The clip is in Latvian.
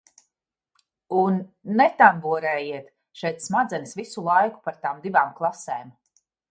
"Un "netamborējiet" šeit smadzenes visu laiku par tām divām klasēm!"